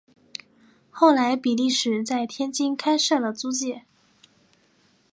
后来比利时在天津开设了租界。